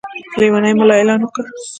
لېونی ملا اعلان وکړ.